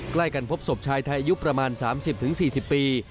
ใกล้กันพบศพชายไทยอายุประมาณ๓๐๔๐ปี